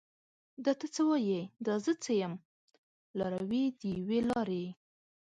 دا ته څه یې؟ دا زه څه یم؟ لاروي د یوې لارې